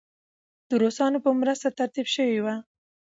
د روسانو په مرسته ترتیب شوې وه.